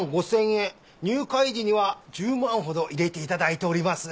入会時には１０万ほど入れて頂いております。